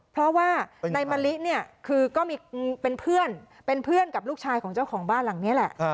เพราะว่านายมะลิเนี่ยคือก็เป็นเพื่อนกับลูกชายของเจ้าของบ้านหลังนี้แหละ